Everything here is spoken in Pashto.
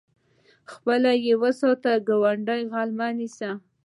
متل دی: خپل و ساته ګاونډی غل مه نیسه.